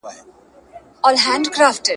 د درواغو تبلیغات ټولنه بې لاري کوي.